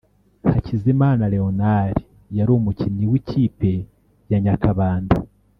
Hakizimana Leonard (yari umukinnyi w’ikipe ya Nyakabanda)